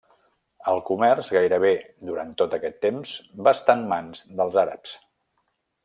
El comerç gairebé durant tot aquest temps va estar en mans dels àrabs.